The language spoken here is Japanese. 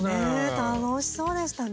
楽しそうでしたね。